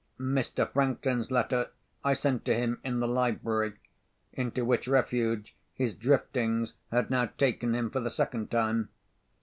Mr. Franklin's letter I sent to him in the library—into which refuge his driftings had now taken him for the second time.